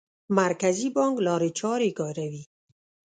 مرکزي بانک لارې چارې کاروي.